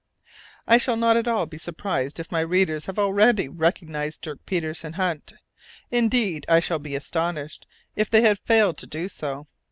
I shall not be at all surprised if my readers have already recognized Dirk Peters in Hunt; indeed, I shall be astonished if they have failed to do so.